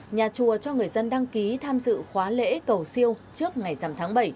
nhà chùa cho người dân đăng ký tham dự khóa lễ cầu siêu trước ngày dằm tháng bảy